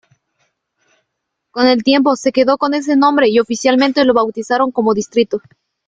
Con el tiempo se quedó con ese nombre y oficialmente lo bautizaron como distrito.